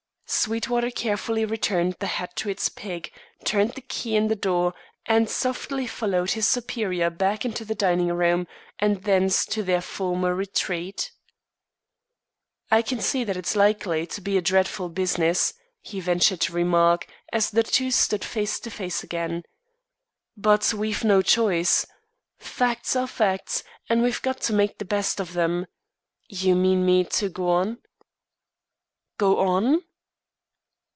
Sweetwater carefully returned the hat to its peg, turned the key in the door, and softly followed his superior back into the dining room, and thence to their former retreat. "I can see that it's likely to be a dreadful business," he ventured to remark, as the two stood face to face again. "But we've no choice. Facts are facts, and we've got to make the best of them. You mean me to go on?" "Go on?"